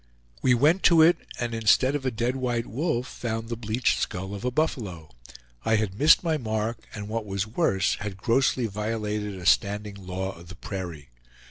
We went to it, and instead of a dead white wolf found the bleached skull of a buffalo. I had missed my mark, and what was worse, had grossly violated a standing law of the prairie.